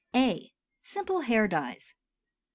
A. Simple Hair Dyes.